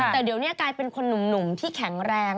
แต่เดี๋ยวนี้กลายเป็นคนหนุ่มที่แข็งแรง